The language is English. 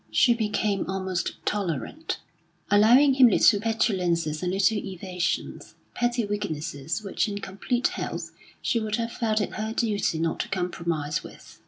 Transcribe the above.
She became almost tolerant, allowing him little petulances and little evasions petty weaknesses which in complete health she would have felt it her duty not to compromise with.